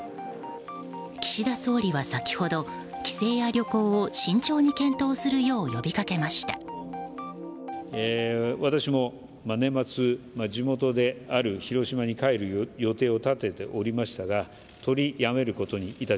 岸田総理は先ほど、帰省や旅行を慎重に検討するよう呼びかけました。